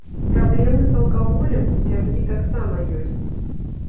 Праблемы з алкаголем у сям'і таксама ёсць.